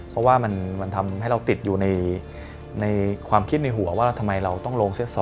เพราะว่ามันทำให้เราติดอยู่ในความคิดในหัวว่าทำไมเราต้องลงเสื้อ๒